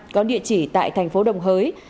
có địa chỉ tại thành phố đồng hới